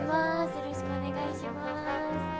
よろしくお願いします。